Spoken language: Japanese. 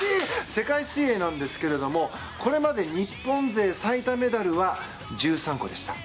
世界水泳なんですがこれまで日本勢最多メダルは１３個でした。